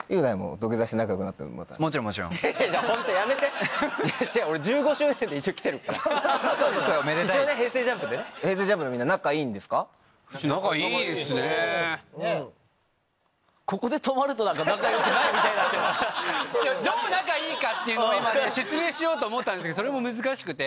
どう仲いいかっていうのを今説明しようと思ったんですけどそれも難しくて。